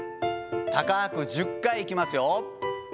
高く１０回いきますよ。